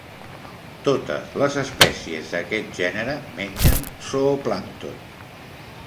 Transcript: Totes les espècies d'aquest gènere mengen zooplàncton.